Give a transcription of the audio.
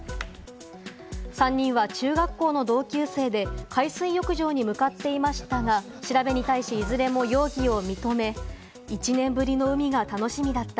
３人は中学校の同級生で、海水浴場に向かっていましたが、調べに対し、いずれも容疑を認め、１年ぶりの海が楽しみだった。